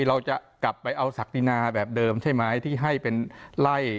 เราจะกลับไปเอาศักดินาแบบเดิมใช่ไหมที่ให้เป็นไล่